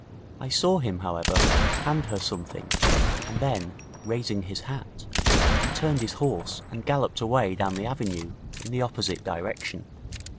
I saw him, however, hand her something, and then, raising his hat, he turned his horse and galloped away down the avenue in the opposite direction.